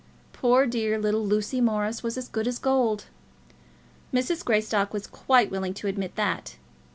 Poor dear little Lucy Morris was as good as gold. Mrs. Greystock was quite willing to admit that.